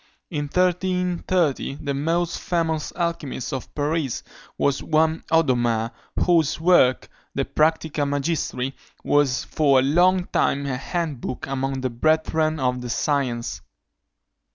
In 1330 the most famous alchymist of Paris was one Odomare, whose work, De Practica Magistri, was for a long time a hand book among the brethren of the science.